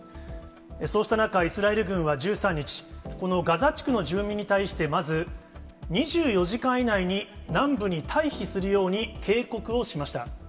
そうした中、イスラエル軍は１３日、このガザ地区の住民に対して、まず２４時間以内に南部に退避するように警告をしました。